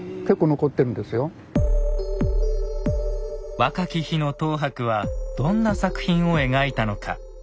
若き日の等伯はどんな作品を描いたのか。